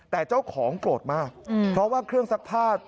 แต่เจ้าของโกรธมากเพราะว่าเครื่องซักผ้า